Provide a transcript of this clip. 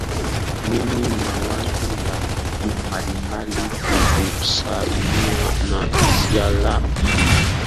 nini mawazo ya watu mbalimbali kuhusiana na swala hilo